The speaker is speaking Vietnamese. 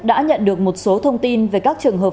đã nhận được một số thông tin về các trường hợp